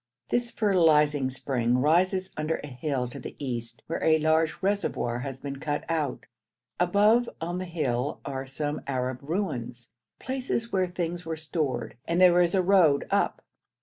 This fertilising spring rises under a hill to the east, where a large reservoir has been dug out. Above on the hill are some Arab ruins, places where things were stored, and there is a road up.